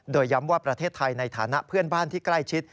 โดยย้ำว่าประเทศไทยในฐานะเพื่อนบ้านที่ใกล้ชิด